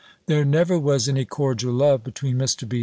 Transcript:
There never was any cordial love between Mr. B.'